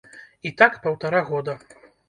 І так паўтара года.